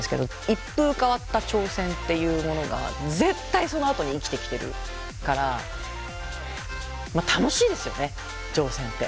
一風変わった挑戦っていうものが絶対そのあとに生きてきてるから楽しいですよね挑戦って。